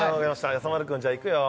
やさ丸くんじゃあいくよ